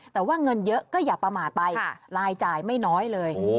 แต่ว่าเงินเยอะก็อย่าประมาทไปรายจ่ายไม่น้อยเลย